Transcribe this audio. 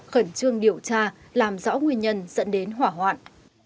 khẩn trương điều tra làm rõ nguyên nhân dẫn đến hỏa hoạn